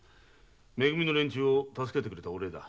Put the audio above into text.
め組の連中を助けてくれたお礼だ。